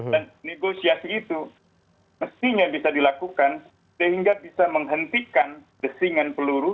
dan negosiasi itu mestinya bisa dilakukan sehingga bisa menghentikan desingan peluru